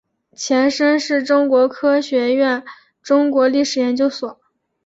前身是中国科学院中国历史研究所。